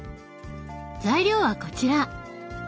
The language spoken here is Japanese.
材料はこちら。